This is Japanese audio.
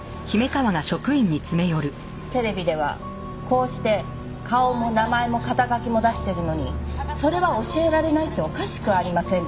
テレビではこうして顔も名前も肩書きも出してるのにそれは教えられないっておかしくありませんか？